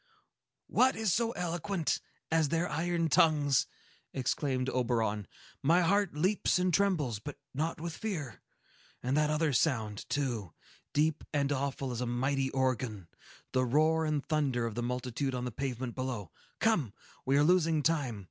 "What is so eloquent as their iron tongues!" exclaimed Oberon. "My heart leaps and trembles, but not with fear. And that other sound, too,—deep and awful as a mighty organ,—the roar and thunder of the multitude on the pavement below! Come! We are losing time.